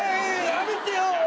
やめてよ！